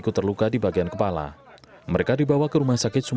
kecelakaan di jalan turunan tajab